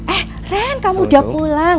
eh ren kamu udah pulang